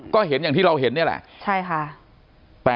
ก็เห็นอย่างที่เราเห็นนี่แหละใช่ค่ะ